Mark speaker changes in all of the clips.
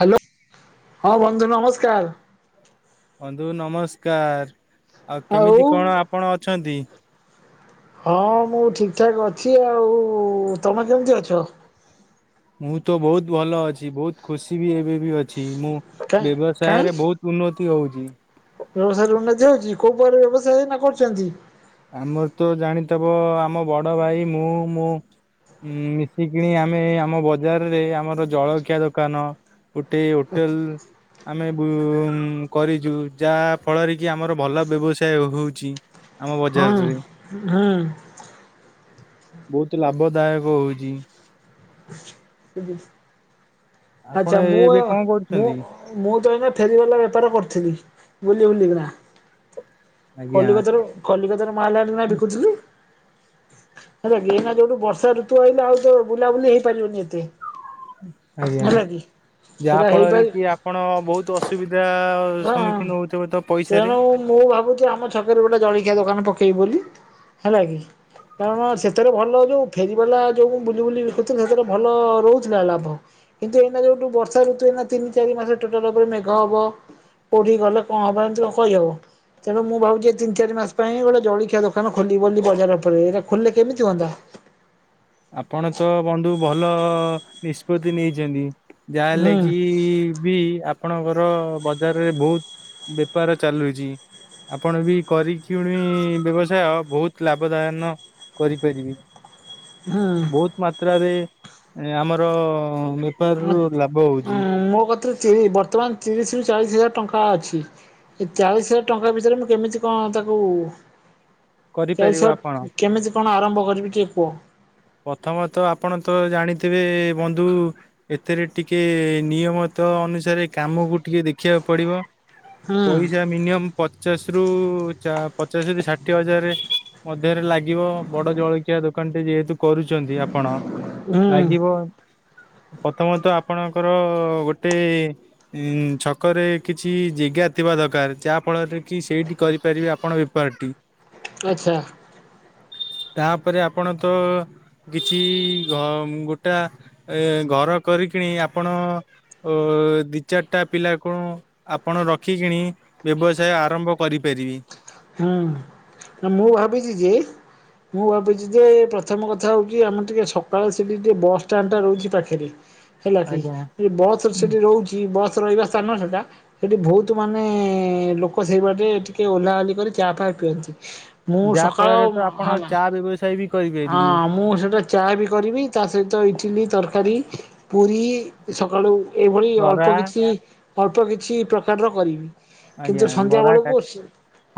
Speaker 1: Hello ହଁ ବନ୍ଧୁ ନମସ୍କାର।
Speaker 2: ବନ୍ଧୁ ନମସ୍କାର ଆଉ କେମିତି କଣ ଆପଣ ଅଛନ୍ତି?
Speaker 1: ହଁ ମୁଁ ଠିକ୍ ଠାକ୍ ଅଛି ଆଉ ତମେ କେମିତି ଅଛ?
Speaker 2: ମୁଁତ ବହୁତ୍ ଭଲ ଅଛି ବହୁତ୍ ଖୁସିବି ଏବେବି ଅଛି ମୁଁ
Speaker 1: କାଇଁ କାଇଁ
Speaker 2: ବ୍ୟବସାୟରେ ବହୁତ ଉନ୍ନତି ହଉଚି।
Speaker 1: ବ୍ୟବସାୟରେ ଉନ୍ନତି ହଉଚି କୋଉ ଉପୟରେ ବ୍ୟବସାୟ ଏଇନା କରୁଚନ୍ତି?
Speaker 2: ଆମରତ ଜାଣିଥବ ଆମ ବଡ଼ ଭାଇ ମୁଁ ମୁଁ ଉଁ ମିଶିକଣି ଆମେ ଆମ ବଜାରରେ ଆମର ଜଳଖିଆ ଦୋକାନ ଗୋଟେ ହୋଟେଲ୍ ଆମେ ବୁ କରିଚୁ ଯାହା ଫଳରେକି ଆମର ଭଲ ବ୍ୟବସାୟ ହଉଚି। ଆମ
Speaker 1: ହଁ
Speaker 2: ବଜାରରେ
Speaker 1: ହୁଁ
Speaker 2: ବହୁତ୍ ଲାଭଦାୟକ ହଉଚି।
Speaker 1: ଠିକ୍ ଅଛି
Speaker 2: ଆପଣ
Speaker 1: ଆଚ୍ଛା ମୁଁ
Speaker 2: ଏବେ କଣ
Speaker 1: ମୁଁ
Speaker 2: କରୁଛନ୍ତି?
Speaker 1: ମୁଁତ ଏଇନା ଫେରିବାଲା ବେପାର କରିଥିଲି ବୁଲି ବୁଲିକିନା।
Speaker 2: ଆଜ୍ଞା
Speaker 1: କଲିକତା ରୁ କଲିକତା ରୁ ମାଲ୍ ଆଣି କିନା ବିକୁଥିଲି। ହେଲା ଗିନା ଯୋଉଠୁ ବର୍ଷା ଋତୁ ଆଇଲା ଆଉ ତ ବୁଲାବୁଲି ହେଇପାରିବନି ଏତେ।
Speaker 2: ଆଜ୍ଞା
Speaker 1: ହେଲା କି।
Speaker 2: ଯାହା
Speaker 1: ସେଟା
Speaker 2: ଫଳରେ
Speaker 1: ହେଇପାରି
Speaker 2: କି ଆ ପଣ ବହୁତ ଅସୁବିଧା
Speaker 1: ହଁ।
Speaker 2: ସମ୍ମୁଖୀନ ହେଉଥିବ ତ ପଇସାରେ।
Speaker 1: ତେଣୁ ମୁଁ ଭାବୁଛି ଆମ ଛକରେ ଗୋଟେ ଜଳଖିଆ ଦୋକାନ ପକେଇବି ବୋଲି ହେଲା କି। କାରଣ ସେଥିରେ ଭଲ ଯୋଉ ଫେରିବାଲା ଯୋଉ ମୁ ବୁଲି ବୁଲି ବିକୁଥି ସେଥିରେ ଭଲ ରହୁଥିଲା ଲାଭ। କିନ୍ତୁ ଏଇନା ଯୋଉଟୁ ବର୍ଷା ଋତୁ ଏଇନା ତିନି ଚାରି ମାସେ ଟୋଟାଲେ ଉପରେ ମେଘ ହବ। ପଡ଼ି ଗଲେ କଣ ହବ ଏମିତି କ କହିହବ। ତେଣୁ ମୁଁ ଭାବୁଛି ଏ ତିନି ଚାରି ମାସ୍ ପାଇଁ ଗୋଟେ ଜଳଖିଆ ଦୋକାନ ଖୋଲିବି ବୋଲି ବଜାର ଉପରେ ଏଟା ଖୋଲଲେ କେମିତି ହୁଅନ୍ତା?
Speaker 2: ଆପଣ ତ ବନ୍ଧୁ ଭଲ ନିଷ୍ପତ୍ତି ନେଇଚନ୍ତି ଯାହା ହେଲେ
Speaker 1: ହୁଁ
Speaker 2: କି ବି ଆପଣଙ୍କର ବଜାରରେ ବହୁତ୍ ବେପାର ଚାଲୁଚି। ଆପଣ ବି କରିିକ୍ୟୁଣି ବ୍ୟବସାୟ ବହୁତ ଲାଭଦାୟନ କରିପାରିବେ।
Speaker 1: ହଁ।
Speaker 2: ବୋହୁତ୍ ମାତ୍ରାରେ ଏଁ ଆମର ବେପାରରୁ ଲାଭ ହଉଚି।
Speaker 1: ତ ଚିରି ବର୍ତ୍ତମାନ୍ ତିରିଶ୍ ରୁ ଚାଳିଶ୍ ହଜାର ଟଙ୍କା ଅଛି। ଏ ଚାଳିଶି ହଜାର ଟଙ୍କା ଭିତରେ ମୁଁ କେମିତି କଣ ତାକୁ
Speaker 2: କରିପାରିବ ଆପଣ।
Speaker 1: ଚାଲିସତ୍ କେମିତି କଣ ଆରମ୍ଭ କରିବି ଟିକେ କୁହ?
Speaker 2: ପ୍ରଥମତଃ ଆପଣ ତ ଜାଣିଥିବେ ବନ୍ଧୁ ଏଥିରେ ଟିକେ ନିୟମିତ ଅନୁସାରେ କାମକୁ ଟିକେ ଦେଖିବାକୁ ପଡ଼ିବ।
Speaker 1: ହୁଁ
Speaker 2: ପଇସା ମିନିମମ୍ ପଚାଶ୍ ରୁ ଚା ପଚାଶେ ରୁ ଷାଠିଏ ହଜାରେ ମଧ୍ୟରେ ଲାଗିବ ବଡ଼ ଜଳଖିଆ ଦୋକାନ୍ ଟେ ଯେହେତୁ। କରୁଚନ୍ତି ଆପଣ
Speaker 1: ହୁଁ
Speaker 2: ଲାଗିବ ପ୍ରଥମତଃ ଆପଣଙ୍କର ଗୋଟେ ଇଁ ଛକରେ କିଛି ଜେଗା ଥିବା ଦକାର୍ ଯାହା ଫଳରେ କି ସେଇଠି କରିପାରିବେ ଆପଣ ବେପାରଟି।
Speaker 1: ଆଚ୍ଛା।
Speaker 2: ତାପରେ ଆପଣ ତ କିଛି ଘଂ ଗୋଟା ଏ ଘର କରିକିଣି ଆପଣ ଅ ଦି ଚାରିଟା ପିଲା କଁ ଆପଣ ରଖିକିଣି ବ୍ୟବସାୟ ଆରମ୍ଭ କରିପାରିବେ।
Speaker 1: ହୁଁ ନା ମୁଁ ଭାବିଛି ଯେ ମୁଁ ଭାବିଛି ଯେ ପ୍ରଥମ କଥା ହଉଛି ଆମର ଟିକେ ସକାଳ ସେଟି ଟିକେ ବସ ଷ୍ଟାଣ୍ଡ୍ ଟା ରହୁଚି ପାଖରେ। ହେଲା କି
Speaker 2: ଆଜ୍ଞା
Speaker 1: ବସରେ ସେଠି ରହୁଚି କି ବସ୍ ରହିବା ସ୍ଥାନ ସେଟା ସେଠି ଭୋଉତୁ ମାନେ ଲୋକ ସେଇ ବାଟେ ଟିକେ ଓଲା ଓଲି କରି ଚା ଫା ପିଅନ୍ତି। ମୁଁ
Speaker 2: ଯାହା
Speaker 1: ସକାଳ
Speaker 2: ଫଳରେ ତ ଆପଣ
Speaker 1: ହାନା
Speaker 2: ଚା ବ୍ୟବସାୟ ବି
Speaker 1: ହଁ
Speaker 2: କରିପାରିବି।
Speaker 1: ମୁଁ ସେଟା ଚା ବି କରିବି ତା ସହିତ ଇଟିଲି ତରକାରୀ ପୁରୀ ଏ ସକାଳୁ ଏଇଭଳି
Speaker 2: ବରା
Speaker 1: ଅଳ୍ପ କିଛି ଅଳ୍ପ କିଛି ପ୍ରକାରର କରିବି।
Speaker 2: ଆଜ୍ଞା
Speaker 1: କିନ୍ତୁ ସନ୍ଧ୍ୟା
Speaker 2: ବରା କା
Speaker 1: ବେଳକୁ ସି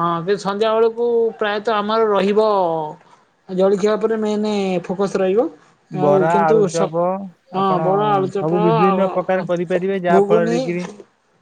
Speaker 1: ହଁ ସେ ସନ୍ଧ୍ୟା ବେଳକୁ ପ୍ରାୟତଃ ଆମର ରହିବ ଆ ଜଳଖିଆ ଓପରେ ମେନେ ଫୋକସ୍ ରହିବ। ଆଉ
Speaker 2: ବରା
Speaker 1: କିନ୍ତୁ ସ
Speaker 2: ଆଳୁଚପ
Speaker 1: ହଁ
Speaker 2: ଆପଣ
Speaker 1: ବରା
Speaker 2: ସବୁ
Speaker 1: ଆଳୁଚପ ଆଉ
Speaker 2: ବିଭିନ୍ନ
Speaker 1: ଅଁ
Speaker 2: ପ୍ରକାର କରିପାରିବେ ଯାହା
Speaker 1: ଗୁଗୁନି
Speaker 2: ଫଳରେ କିରି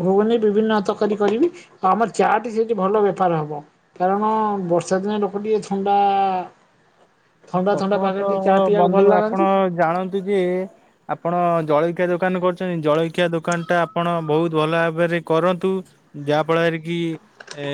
Speaker 1: ଘୁଗୁନି ବିଭିନ୍ନ ତକାରୀ କରିବି ଆମର ଚା ଟି ସେଇଠି ଭଲ ବେ ପାର ହବ କାରଣ ବର୍ଷା ଦିନେ ଲୋକ ଟିକେ ଥଣ୍ଡା ଥଣ୍ଡା ଥଣ୍ଡା ପାଗରେ ଟିକେ ଚା
Speaker 2: ପ୍ରଥମତଃ
Speaker 1: ପିଇବାକୁ
Speaker 2: ବନ୍ଧୁ
Speaker 1: ଭଲ
Speaker 2: ଆପଣ
Speaker 1: ଲାଗନ୍ତି।
Speaker 2: ଜାଣନ୍ତୁ ଯେ ଆପଣ ଜଳଖିଆ ଦୋକାନ କରୁଛନ୍ତି ଜଳଖିଆ ଦୋକାନଟା ଆପଣ ବୋହୁତ୍ ଭଲ ଭାବରେ କରନ୍ତୁ। ଯାଆପଳାରେ କି ଏ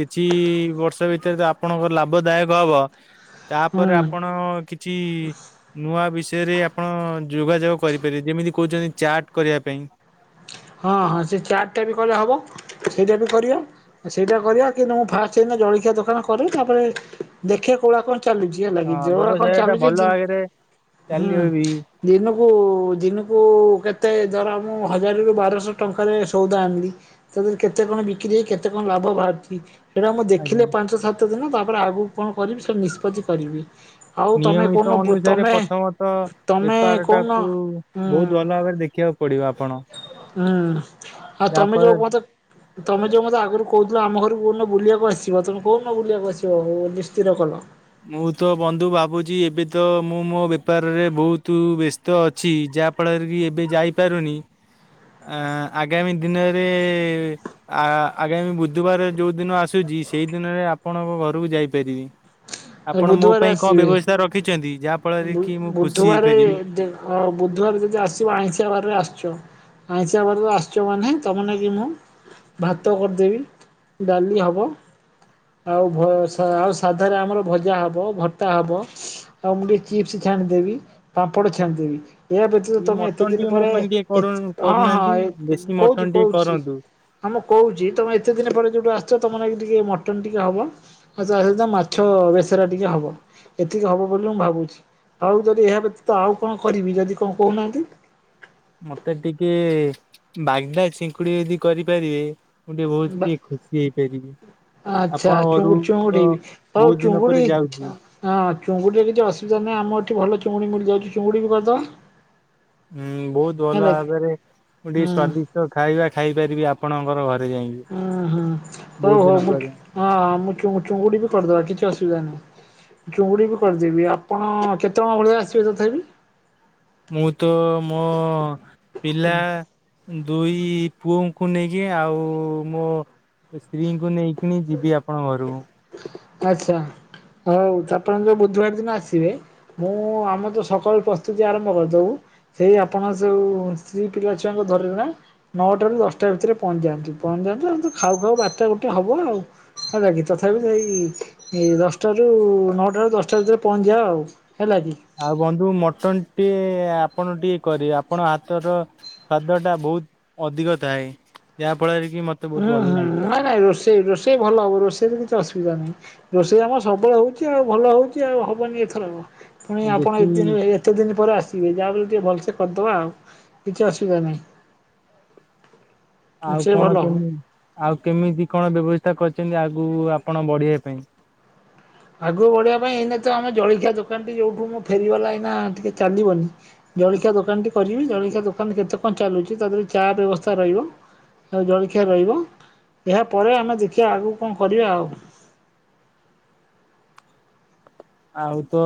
Speaker 2: କିଛି ବର୍ଷ ଭିତରେ ତ ଆପଣଙ୍କ ଲାଭଦାୟକ ହବ।
Speaker 1: ହୁଁ
Speaker 2: ଓପରେ ଆପଣ କିଛି ନୂଆ ବିଷୟରେ ଆପଣ ଯୋଗାଯୋଗ କରିପାରିବେ ଯେମିତି କହୁଛନ୍ତି ଚାଟ୍ କରିବା ପାଇଁ।
Speaker 1: ହଁ ହଁ ସେ ଚାର୍ଟଟା ବି କଲେ ହବ ସେଇଟା ବି କରିଆ। ସେଇଟା କରିବା କିନ୍ତୁ ମୁଁ ଫାର୍ଷ୍ଟ ଏଇନା ଜଳଖିଆ ଦୋକାନ କରେ ତାପରେ ଦେଖେ କଉଭଳିଆ କଣ ଚାଲୁଛି। ବୁଝିହେଲାକି
Speaker 2: ହଁ
Speaker 1: ଯଉ ଗୁଡା କଣ
Speaker 2: ବ୍ୟବସାୟ ଟା
Speaker 1: ଚାଲୁଛି
Speaker 2: ଭଲ
Speaker 1: [unintelligible]
Speaker 2: ଆଗରେ
Speaker 1: ହୁଁ।
Speaker 2: ଚାଲିବ ବି
Speaker 1: ଦିନକୁ ଦିନକୁ କେତେ ଧର ମୁଁ ହଜାରରୁ ବା ବାରଶହ ଟଙ୍କାରେ ସଉଦା ଆଣିଲି ତା ଦେହରେ କେତେ କଣ ବିକ୍ରି ହେଇ କେତେ କଣ ଲାଭ ବାହାରୁଛି। ସେଇଟା ମୁଁ ଦେଖିଲେ
Speaker 2: ଆଜ୍ଞା।
Speaker 1: ପାଞ୍ଚ, ସାତ ଦିନ ତାପରେ ଆଗକୁ କଣ କରିବି ସେ ନିଷ୍ପତି କରିବି। ଆଉ ତମେ କଣ
Speaker 2: ନିୟମିତ ଅନୁସାରେ
Speaker 1: ତମେ
Speaker 2: ପ୍ରଥମତ
Speaker 1: ତମେ
Speaker 2: ବେପାର
Speaker 1: କହୁନ
Speaker 2: ଟାକୁ
Speaker 1: ଉଁ
Speaker 2: ବହୁତ ଭଲ ଭାବରେ ଦେଖିବା ପଡ଼ିବ ଆପଣ।
Speaker 1: ଅଁ ଆଉ
Speaker 2: ଯାହା
Speaker 1: ତମେ
Speaker 2: ଫଳରେ
Speaker 1: ଯୋଉ ମତେ। ତମେ ଯୋଉ ମତେ ଆଗରୁ କହୁଥିଲ ଆମ ଘରକୁ କଉ ଦିନ ବୁଲିବାକୁ ଆସିବ ତମେ କୋଉଦିନ ବୁଲିବାକୁ ଆସିବ ବୋଲି ସ୍ଥିର କଲ୍?
Speaker 2: ମୁଁ ତ ବନ୍ଧୁ ଭାବୁଛି ଏବେ ତ ମୁଁ ମୋ ବେପାରରେ ବହୁତୁ ବେଶ୍ ତ ଅଛି ଯାହାଫଳରେ କି ଏବେ ଯାଇପାରୁନି। ଆଁ ଆଗାମୀ ଦିନରେ। ଆ ଆଗାମୀ ବୁଧୁବାର ଯଉ ଦିନ ଆସୁଛି ସେଇ ଦିନରେ ଆପଣଙ୍କ ଘରକୁ ଯାଇପାରିବି।
Speaker 1: ଆ
Speaker 2: ଆପଣ ମୋ
Speaker 1: ବୁଧୁବାରେ
Speaker 2: ପାଇଁ କଣ ବ୍ୟବସ୍ଥା ରଖିଛନ୍ତି ଯାହା
Speaker 1: ଆସିବେ
Speaker 2: ଫଳରେ କି ମୁଁ ଖୁସି
Speaker 1: ବୁ-ବୁଧୁବାରେ
Speaker 2: ହେଇପାରିବି?
Speaker 1: ଦେ ହଁ ବୁଧବାର ଯଦି ଆସିବ ଆଇଁଷିଆ ବାରରେ ଆସୁଛ। ଆଇଁଷିଆ ବାରରେ ଆସୁଛ ମାନେ ତମ ନାଗି ମୁଁ। ଭାତ କରିଦେବି ଡାଲି ହବ। ଆଉ ଭ ସା ଆଉ ସାଧାରେ ଆମର। ଭଜା ହବ ଭତା ହବ ଆଉ ମୁଁ ଟିକେ ଚିପ୍ସ ଛାଣିଦେବି ପାମ୍ପଡ ଛାଣିଦେବି। ଏଆ ବ୍ୟତୀତ
Speaker 2: ଟିକେ
Speaker 1: ତମେ ଏତେ
Speaker 2: ମଟନ
Speaker 1: ଦିନ
Speaker 2: ଟିକେ ମୋ
Speaker 1: ପରେ
Speaker 2: ପାଇଁ ଟିକେ
Speaker 1: ଏ
Speaker 2: କରୁ
Speaker 1: ହଁ ହଁ
Speaker 2: କରୁନାହାନ୍ତି
Speaker 1: ଏ ଉଁ
Speaker 2: ଦେଶୀ ମଟନ
Speaker 1: କହୁଛି
Speaker 2: ଟିକେ
Speaker 1: କହୁଛି।
Speaker 2: କରନ୍ତୁ।
Speaker 1: ହଁ ମୁଁ କହୁଛି ତମେ ଏତେ ଦିନ ପରେ ଯୋଉଠୁ ଆସୁଛ ତମ ନାଗି ଟିକେ ମଟନ ଟିକେ ହବ। ଆଉ ତା ସହିତ ମାଛ ବେସର ଟିକେ ହବ ଏତିକି ହବ ବୋଲି ମୁଁ ଭାବୁଛି। ଆଉ ଯଦି ଏହା ବ୍ୟତୀତ ଆଉ କଣ କରିବି ଯଦି କଣ କହୁନାହାନ୍ତି।
Speaker 2: ମତେ ଟିକେ ବାଗଦା ଚିଙ୍କୁଡି ଯଦି କରିପାରିବେ। ମୁଁ ଟିକେ ବହୁତ
Speaker 1: ବା
Speaker 2: କି ଖୁସି ହେଇପାରିବି।
Speaker 1: ଆଚ୍ଛା
Speaker 2: ଆପଣ ଘରୁ
Speaker 1: ଚୁଙ୍ଗୁ
Speaker 2: ତ
Speaker 1: ଚୁଙ୍ଗୁଡି ହଉ
Speaker 2: ବହୁତ ଦିନ ପରେ
Speaker 1: ଚୁଙ୍ଗୁଡି।
Speaker 2: ଯାଉଛି
Speaker 1: ହଁ ଚୁଙ୍ଗୁଡିରେ କିଛି ଅସୁବିଧା ନାହିଁ ଆମ ଏଠି ଭଲ ଚୁଙ୍ଗୁଡି ମିଳିଯାଉଛି ଚୁଙ୍ଗୁଡି ବି କରିଦ
Speaker 2: ଉଁ ବହୁତ ଭଲ ଭାବରେ ମୁଁ
Speaker 1: ହୁଁ
Speaker 2: ଟିକେ ସ୍ଵାଦିଷ୍ଟ ଖାଇବା ଖାଇପାରିବି ଆପଣଙ୍କର ଘରେ ଯାଇଁକି।
Speaker 1: ହୁଁ ହୁଁ ହଉ ହଉ ମୁଁ ଚୁ ହଁ ହଁ ମୁଁ ଚୁ-ଚୁଙ୍ଗୁଡି ବି କରିଦବା କିଛି ଅସୁବିଧା ନାହିଁ। ଚୁଙ୍ଗୁଡ଼ି ବି କରିଦେବି। ଆପଣ କେତେ ଜଣ ଭଳିଆ ଆସିବେ ତଥାପି?
Speaker 2: ମୁଁ ତ ମୋ ପିଲା। ଦୁଇ ପୁଅଙ୍କୁ ନେଇକି ଆଉ ମୋ। ସ୍ତ୍ରୀଙ୍କୁ ନେଇକିଣି ଯିବି ଆପଣ ଘରୁ।
Speaker 1: ଆଚ୍ଛା ହଉ ତ ଆପଣ ଯୋଉ ବୁଧବାର ଦିନ ଆସିବେ। ମୁଁ ଆମର ତ ସକାଳୁ ପ୍ରସ୍ତୁତି ଆରମ୍ଭ କରିଦବୁ। ସେଇ ଆପଣ ଯୋଉ ସ୍ତ୍ରୀ ପିଲା ଛୁଆଙ୍କୁ ଧରିଲେ ନା। ନଅଟାରୁ ଦଶଟା ଭିତରେ ପହଞ୍ଚିଯାନ୍ତୁ ପହଞ୍ଚିଯାନ୍ତୁ ଏମିତି ଖାଉ ଖାଉ ବାରଟା, ଗୋଟେ ହବ ଆଉ। ହେଲା କି ତଥାପି ସେଇ ଏଇ ଦଶଟାରୁ, ନଅଟାରୁ, ଦଶଟା ଭିତରେ ପହଞ୍ଚିଯାଅ ଆଉ। ହେଲା କି।
Speaker 2: ଆଉ ବନ୍ଧୁ ମଟନ ଟିଏ ଆପଣ ଟିକେ କରିବେ ଆପଣ ହାତର। ସ୍ଵାଦ ଟା ବହୁତ ଅଧିକ ଥାଏ ଯାହା ଫଳରେ କି ମ
Speaker 1: ହୁଁ ହୁଁ ନାଇଁ ନାଇଁ ରୋଷେଇ ରୋଷେଇ ଭଲ ହବ ରୋଷେଇରେ କିଛି ଅସୁବିଧା ନାହିଁ। ରୋଷେଇ ଆମର ସବୁବେଳେ ହଉଛି ଆଉ ଭଲ ହଉଛି ଆଉ ହବନି ଏଥରକ ପୁଣି ଆପଣ ଏତେ
Speaker 2: ଦେଶୀ
Speaker 1: ଦିନି ରହି ଏତେ ଦିନ ପରେ ଆସିବେ ଯାହା ବି ହେଲେ ଟିକେ ଭଲସେ କରିଦବା ଆଉ କିଛି ଅସୁବିଧା ନାହିଁ।
Speaker 2: ଆଉ
Speaker 1: ସେ
Speaker 2: କଣ
Speaker 1: ଭଲ ହବ
Speaker 2: କେମିତି ଆଉ କେମିତି କଣ ବ୍ୟବସ୍ଥା କରିଛନ୍ତି ଆଗକୁ ଆପଣ ବଢ଼ିବା ପାଇଁ?
Speaker 1: ଆଗକୁ ବଢିବା ପାଇଁ ଏଇନା ତ ଆମେ ଜଳଖିଆ ଦୋକାନ ଟି ଯୋଉଠୁ ମୁଁ ଫେରିବାଲା ଏଇନା ଟିକେ ଚାଲିବନି। ଜଳଖିଆ ଦୋକାନଟି କରିବି ଜଳଖିଆ ଦୋକାନ କେତେ କଣ ଚାଲୁଛି ତା ଦେହରେ ଚା ବ୍ୟବସ୍ଥା ରହିବ। ଆଉ ଜଳଖିଆ ରହିବ ଏହାପରେ ଆମେ ଦେଖିବା ଆଗକୁ କଣ କରିବା ଆଉ।
Speaker 2: ଆଉ ତ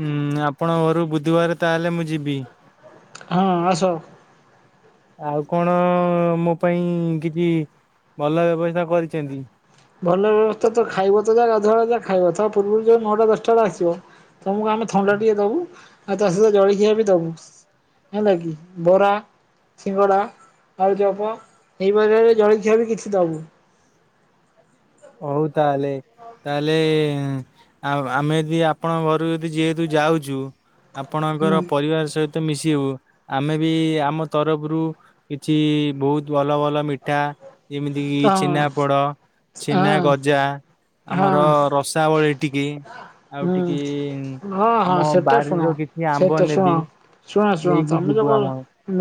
Speaker 2: ଉଁ ଆପଣଙ୍କ ଘରୁ ବୁଧବାର ତାହେଲେ ମୁଁ ଯିବି।
Speaker 1: ହଁ ଆସ।
Speaker 2: ଆଉ କଣ ମୋ ପାଇଁ କିଛି ଭଲ ବ୍ୟବସ୍ଥା କରିଚିନ୍ତି।
Speaker 1: ଭଲ ବ୍ୟବସ୍ଥା ତ ଖାଇବ ତ ଯା ଗାଧୁଆଳେ ଯା ଖାଇବ ତ ପୂର୍ବୁରୁ ଯୋଉ ନଅଟା ଦଶଟା ବଳେ ଆସିବ। ତମୁକୁ ଆମେ ଥଣ୍ଡା ଟିକେ ଦବୁ ଆଉ ତା ସହିତ ଜଳଖିଆ ବି ଦବୁ। ହେଲକି ବରା ସିଙ୍ଗଡ଼ା, ଆଳୁଚପ ଏଇପରିକା ବି ଜଳିଖିଆ ବି କିଛି ଦବୁ।
Speaker 2: ହଉ ତାହେଲେ। ତାହେଲେ ଆ-ଆମେ ଯଦି ଆପଣଙ୍କ ଘରୁକୁ ଯଦି ଯେହେତୁ ଯାଉଚୁ। ଆପଣଙ୍କର
Speaker 1: ହୁଁ
Speaker 2: ପରିବାର ସହିତ ମିଶିବୁ ଆମେ ବି ଆମ ତରଫୁରୁ କିଛି ବହୁତୁ ଭଲ ଭଲ ମିଠା ଯେମିତି କିି
Speaker 1: ହଁ
Speaker 2: ଛେନାପୋଡ
Speaker 1: ହଁ
Speaker 2: ଛିନାଗଜା
Speaker 1: ହଁ
Speaker 2: ଆମର ରସାବଳୀ ଟିକେ। ଆଉ
Speaker 1: ହୁଁ
Speaker 2: ଟିକେ
Speaker 1: ହଁ ହଁ
Speaker 2: ଆମ
Speaker 1: ସେଟା ଶୁଣ
Speaker 2: ବାରିର କିଛି ଆମ୍ବ
Speaker 1: ସେଟା ଶୁଣ
Speaker 2: ନେବି
Speaker 1: ଶୁଣ ଶୁଣ
Speaker 2: ନେଇକି
Speaker 1: ତମେ
Speaker 2: ଯିବୁ
Speaker 1: ଯୋଉ
Speaker 2: ଆମ
Speaker 1: କୋଉ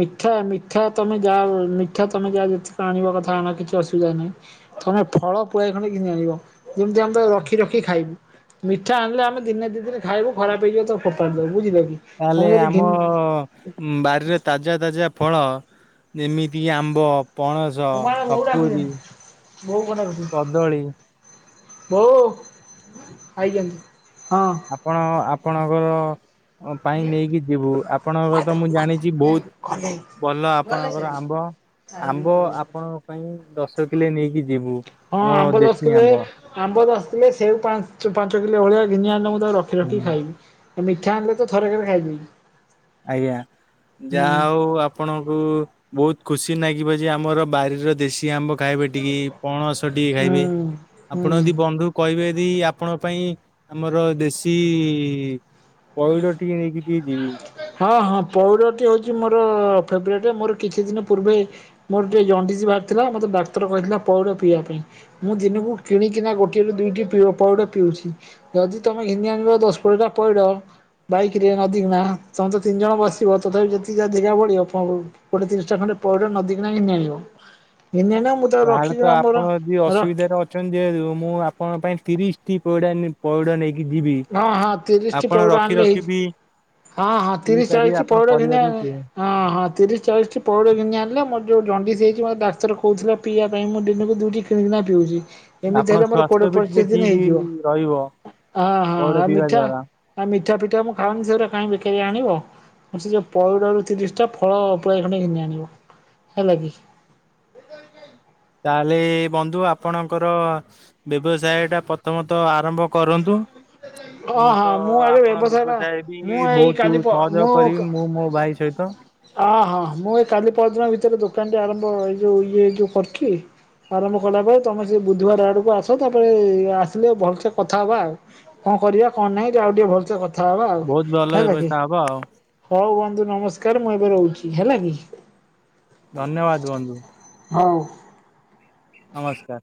Speaker 1: ମିଠା ମିଠା ତମେ ଯା ମିଠା ତମେ ଯା ଯେତିକ ଆଣିବା କଥା ଆଣ କି କି ଅସୁବିଧା ନାହିଁ ତମେ ଫଳ ପୁଳାଏ ଖଣ୍ଡେ ଘିନି ଆଣିବ ଯେମିତି ଆମେ ତାକୁ ରଖି ରଖି ଖାଇବୁ। ମିଠା ଆମ୍ବିଳା ଆମେ ଦିନେ ଦି ଦିନି ଖାଇବୁ ଖରାପ ହେଇଯିବ ତାକୁ ଫୋପାଡ଼ି ଦବୁ ବୁଝିଲ କି। ତମେ
Speaker 2: ତାହେଲେ
Speaker 1: ଯଦି
Speaker 2: ଆମ
Speaker 1: ଘିନି
Speaker 2: ବାରିରେ ତାଜା ତାଜା ଫଳ ଯେମିତିକି ଆମ୍ବ, ପଣ ଜ
Speaker 1: ବୋଉ
Speaker 2: ସପୁରୀ,
Speaker 1: ଡାକୁଛନ୍ତି ବୋଉ କଣ ଡାକୁଛନ୍ତି
Speaker 2: କଦଳୀ
Speaker 1: ବୋଉ ଆଇଚନ୍ତି ହଁ।
Speaker 2: ଆପଣ ଆପଣଙ୍କର ପାଇଁ ନେଇକି ଯିବୁ ଆପଣଙ୍କର ତ ମୁଁ ଜାଣିଚି ବହୁତ ଭଲ ଆପଣଙ୍କର ଆମ୍ବ। ଆମ୍ବ ଆପଣଙ୍କ ପାଇଁ ଦଶ କିଲେ ନେଇକି ଯିବୁ
Speaker 1: ହଁ
Speaker 2: ଆମ
Speaker 1: ଆମ୍ବ ଦଶ
Speaker 2: ଦେଶୀ
Speaker 1: କିଲେ
Speaker 2: ଆମ୍ବ।
Speaker 1: ଆମ୍ବ ଦଶ କିଲେ ସେଉ ପାଞ୍ଚ ପାଞ୍ଚ କିଲୋ ଭଳିଆ ଘିନିଆନୁନ ମୁଁ ତାକୁ ରଖି
Speaker 2: ହୁଁ
Speaker 1: ରଖି ଖାଇବି। ମିଠା ଆଣିଲେ ତ ଥର କରେ ଖାଇଦେବି।
Speaker 2: ଆଜ୍ଞା
Speaker 1: ହୁଁ
Speaker 2: ଯାହା ହଉ ଆ ପଣଙ୍କୁ ବହୁତ ଖୁସି ନାଗିବ ଯେ ଆମର ବାରିର ଦେଶୀ ଆମ୍ବ କାଇବେ ଟିକେ ପଣସ ଟିକେ
Speaker 1: ହୁଁ।
Speaker 2: ଖାଇବେ
Speaker 1: ହୁଁ
Speaker 2: ଆପଣ ଯଦି ବନ୍ଧୁ କଇବେଦି ଆପଣଙ୍କ ପାଇଁ ଆମର ଦେଶୀ ପଇଡ଼ ଟିକେ ନେଇକି ଟିକେ ଯିବି।
Speaker 1: ହଁ ହଁ ପଇଡ଼ ଟି ହଉଚି ମୋର ଫେବରାଇଟ୍ ମୋର କିଛି ଦିନ ପୂର୍ବେ ମୋର ଟିକେ ଜଣ୍ଡିଚ ବାହାରି ଥିଲା ମୋତେ ଡାକ୍ତର କହିଥିଲା ପଇଡ଼ ପିଇବା ପାଇଁ। ମୁଁ ଦିନୁକୁ କିଣିକିନା ଗୋଟିଏରୁ ଦୁଇଟିି ପିଉ-ପାଉଡ଼ ପିଉଛି। ଯଦି ତମେ ଘିନିଆଣିବ ଦଶ କୋଡ଼ିଏଟା ପଇଡ ବାଇକିରେ ନଦିକିଣା ତମେ ତ ତିନି ଜଣ ବସିବ ତଥାପି ଯେତିକି ଯା ଜେଗା ବଳିବ ପ କୋଡ଼ିଏ ତିରିଶଟା ଖଣ୍ଡେ ପଇଡ ନଦୀକିନା ଘିନିଆଣିବ ଘିନିଆଣିବ ମୁଁ ତାକୁ ରଖିଛି
Speaker 2: ଯାହାହେଲେତ
Speaker 1: ଆମର
Speaker 2: ଆପଣ ଯଦି
Speaker 1: ରଖ
Speaker 2: ଅସୁବିଧାରେ ଅ ଛନ୍ତି ଯେହେତୁ ମୁଁ ଆପଣଙ୍କ ପାଇଁ ତିରିଶଟି ପଇଡ଼ା ନେ ପଇଡ଼ ନେଇ
Speaker 1: ହଁ ହଁ ତିରିଶଟି ପଉଡ଼ ଆଣିଲେ ହେଇ
Speaker 2: ରଖି ବି
Speaker 1: ହଁ ହଁ
Speaker 2: ପିଇ
Speaker 1: ତିରିଶ
Speaker 2: ପାରିବେ
Speaker 1: ଚାଳିଶ ଟି
Speaker 2: ଆପଣ
Speaker 1: ପଇଡ଼ ଘିିନିଆନି
Speaker 2: ପରିବାରକୁ
Speaker 1: ହଁ ହଁ ତିରିଶ ଚାଳିଶଟି ପଉଡ଼ ଘିନିଆଣିଲ ମୋର ଯଉ ଜଣ୍ଡିସ ହେଇଚି ମୋତେ ଡାକ୍ତର କଉଥୁଲା ପିଇବା ପାଇଁ ମୁଁ ଦିନୁକୁ ଦୁଇଟି କିଣିକିନା ପିଉଚି
Speaker 2: ଆପଣ
Speaker 1: ଏମିତି ହେଲେ ମୋର
Speaker 2: ସ୍ୱାସ୍ଥ୍ୟ
Speaker 1: କୋଡ଼ିଏ
Speaker 2: ବି ଟିକେ
Speaker 1: ପଚିଶ ଦିନି
Speaker 2: ଠିକ
Speaker 1: ହେଇଯିବ।
Speaker 2: ରହିବ।
Speaker 1: ହଁ ହଁ
Speaker 2: ପଇଡ଼
Speaker 1: ଆଉ
Speaker 2: ପିଇବା ଦ୍ଵାରା।
Speaker 1: ମିଠା ମିଠା ଫିଠା ମୁଁ ଖାଉନି ସେଉରା କାଇଁ ବେକାରିଆ ଆଣିବ। ସେ ଯୋଉ ପଇଡରୁ ତିରିଶଟା ଫଳ ପୁଳାଏ ଖଣ୍ଡେ ଘିନିଆଣିବ ହେଲା କିି।
Speaker 2: ତାହେଲେ ବନ୍ଧୁ ଆପଣଙ୍କର ବ୍ୟବସାୟ ଟା ପ୍ରଥମତଃ ଆରମ୍ଭ କରନ୍ତୁ।
Speaker 1: ହଁ
Speaker 2: ମୁଁ
Speaker 1: ହଁ
Speaker 2: ତ
Speaker 1: ଆଗେ
Speaker 2: ଆପଣ
Speaker 1: ବ୍ୟବସାୟଟା
Speaker 2: ବ୍ୟବସାୟ
Speaker 1: ମୁଁ
Speaker 2: ବି
Speaker 1: ଏଇ
Speaker 2: ବହୁତୁ
Speaker 1: କାଲି ପ
Speaker 2: ସହାଯୋଗ କରିବି ମୁଁ ମୋ ଭାଇ ସହିତ।
Speaker 1: ହଁ ହଁ ମୁଁ ଏଇ କାଲି ପର ଦିନ ଭିତରେ ଦୋକାନଟି ଆରମ୍ଭ ଏଇ ଯୋଉ ଇଏ ଯୋଉ କରୁଚି। ଆରମ୍ଭ କଲା ପରେ ତମେ ସେ ବୁଧବାର ଆଡକୁ ଆସ ତାପରେ ଆସିଲେ ଭଲସେ କଥା ହବା ଆଉ କଣ କରିବା କଣ ନାହିଁ ଆଉ ଟିକେ ଭଲସେ କଥା ହବା ଆଉ
Speaker 2: ବହୁତ ଭଲ
Speaker 1: ହେଲା କି।
Speaker 2: ବ୍ୟବସ୍ଥା ହବ ଆଉ
Speaker 1: ହଉ ବନ୍ଧୁ ନମସ୍କାର ମୁଁ ଏବେ ରହୁଛି ହେଲା କି।
Speaker 2: ଧନ୍ୟବାଦ ବନ୍ଧୁ।
Speaker 1: ହଉ।
Speaker 2: ନମସ୍କାର।